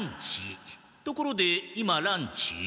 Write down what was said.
ところで今ランチ？